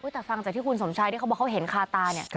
แต่ฟังจากที่คุณสมชายที่เขาบอกเขาเห็นคาตาเนี่ย